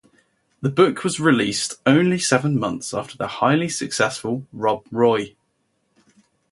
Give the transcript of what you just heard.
The book was released only seven months after the highly successful "Rob Roy".